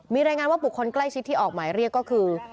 มีรายงานว่าบุคคลใกล้ชิดที่ออกหมายเรียกก็คือ